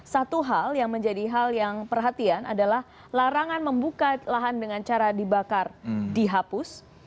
satu hal yang menjadi hal yang perhatian adalah larangan membuka lahan dengan cara dibakar dihapus